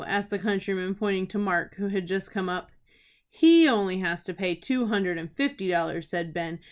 asked the countryman, pointing to Mark, who had just come up. "He only has to pay two hundred and fifty dollars," said Ben.